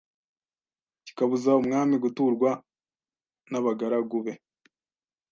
kikabuza umwami guturwa nabagaragu be